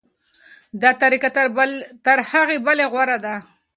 دا طریقه تر هغې بلې غوره ده.